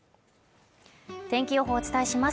天気予報お伝えします